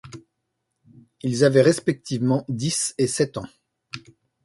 Ils avaient respectivement dix et sept ans.